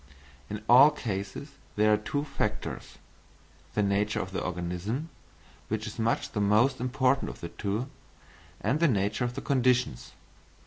In all cases there are two factors, the nature of the organism, which is much the most important of the two, and the nature of the conditions.